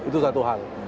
itu satu hal